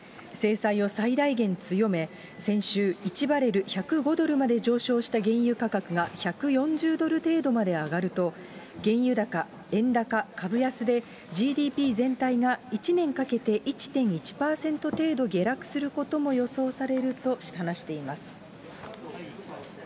制裁を最大限強め、先週、１バレル１０５ドルまで上昇した原油価格が１４０ドル程度まで上がると、原油高、円高、株安で、ＧＤＰ全体が１年かけて１．１％程度下落することも予想されると話しています。